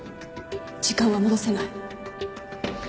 時間は戻せない